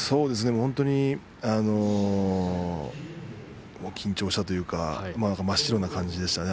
本当に緊張したというか真っ白な感じでしたね